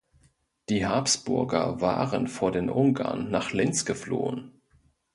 Die Habsburger waren vor den Ungarn nach Linz geflohen.